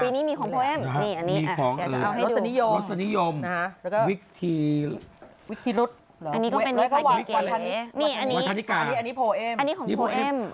ปีนี้มีของโพเอมรสนิยมวิกธีรุษวัฒนิกาอันนี้ของโพเอม